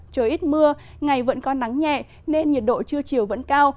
trời ít mưa ngày vẫn có nắng nhẹ nên nhiệt độ trưa chiều vẫn cao